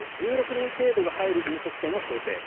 １６人程度が入る飲食店を想定。